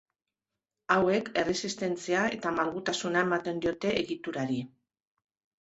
Hauek erresistentzia eta malgutasuna ematen diote egiturari.